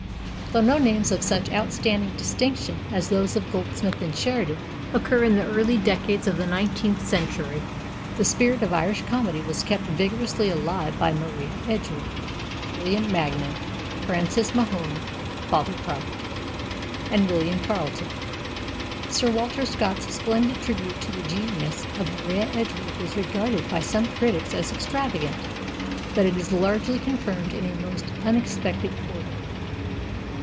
Though no names of such outstanding distinction as those of Goldsmith and Sheridan occur in the early decades of the nineteenth century, the spirit of Irish comedy was kept vigorously alive by Maria Edgeworth, William Maginn, Francis Mahony (Father Prout), and William Carleton. Sir Walter Scott's splendid tribute to the genius of Maria Edgeworth is regarded by some critics as extravagant, but it is largely confirmed in a most unexpected quarter.